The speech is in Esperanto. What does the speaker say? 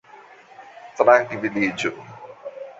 trankviliĝu